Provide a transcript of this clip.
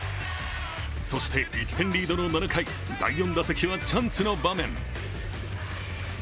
そして、１点リードの７回、第４打席はチャンスの場面。